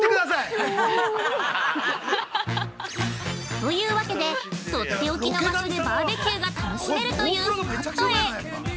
◆というわけで、とっておきの場所でバーベキューが楽しめるというスポットへ！